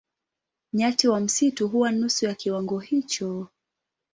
Nyati wa msitu huwa nusu ya kiwango hicho.